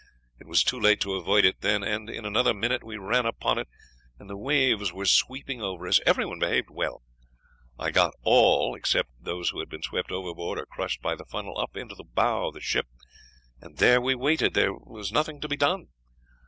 It was too late to avoid it then, and in another minute we ran upon it, and the waves were sweeping over us. Everyone behaved well. I got all, except those who had been swept overboard or crushed by the funnel, up into the bow of the ship, and there we waited. There was nothing to be done.